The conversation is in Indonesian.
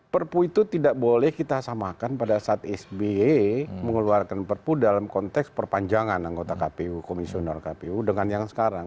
perpu itu tidak boleh kita samakan pada saat sby mengeluarkan perpu dalam konteks perpanjangan anggota kpu komisioner kpu dengan yang sekarang